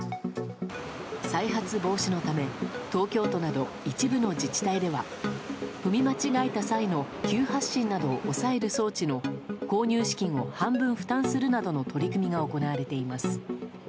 再発防止のため、東京都など一部の自治体では、踏み間違えた際の急発進などを抑える装置の購入資金を半分負担するなどの取り組みが行われています。